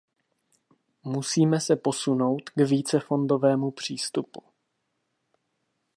Musíme se posunout k vícefondovému přístupu.